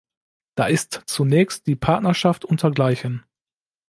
Da ist zunächst die Partnerschaft unter Gleichen.